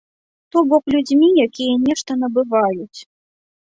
То бок, людзьмі, якія нешта набываюць.